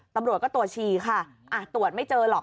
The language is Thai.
ตำรวจก็ตรวจฉี่ค่ะตรวจไม่เจอหรอก